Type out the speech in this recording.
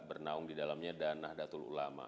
bernaung di dalamnya dan nahdlatul ulama